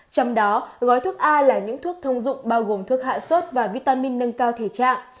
trong đó gói thuốc a là những thuốc thông dụng bao gồm thuốc hạ sốt và vitamin nâng cao thể trạng